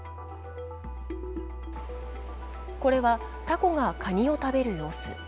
これは、たこがカニを食べる様子。